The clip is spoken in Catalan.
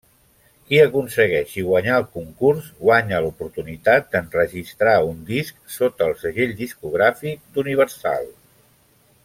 Qui aconsegueixi guanyar el concurs, guanya l’oportunitat d’enregistrar un disc sota el segell discogràfic d’Universal.